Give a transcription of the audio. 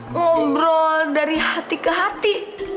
ngobrol dari hati ke hati